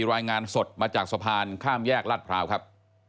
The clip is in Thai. รายงานสดมาจากสะพานข้ามแยกรัฐพร้าวครับ